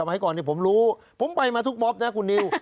ทำให้ต่อไปนี้ผมรู้ผมไปมาทุกมอบเนี่ยคุณนิว